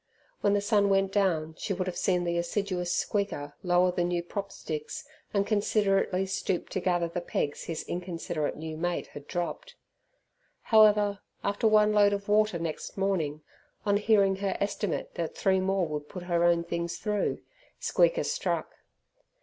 When the sun went down she could have seen the assiduous Squeaker lower the new prop sticks and considerately stoop to gather the pegs his inconsiderate new mate had dropped. However, after one load of water next morning, on hearing her estimate that three more would put her own things through, Squeaker struck.